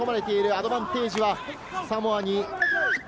アドバンテージはサモア。